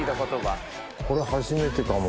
これ初めてかも。